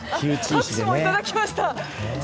拍手もいただきました。